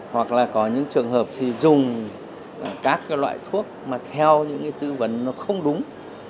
hoặc là có những trường hợp dùng các loại thuốc mà theo những tư vấn không đúng